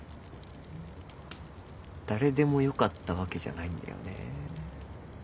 誰でもよかったわけじゃないんだよね。